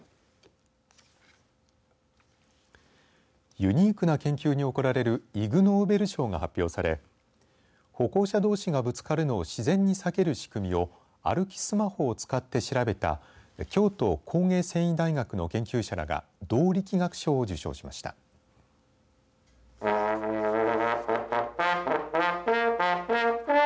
ユニークな研究に贈られるイグ・ノーベル賞が発表され歩行者どうしがぶつかるのを自然に避ける仕組みを歩きスマホを使って調べた京都工芸繊維大学の研究者らが動力学賞を受賞しました。